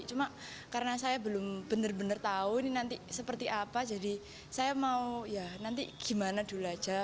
cuma karena saya belum benar benar tahu ini nanti seperti apa jadi saya mau ya nanti gimana dulu aja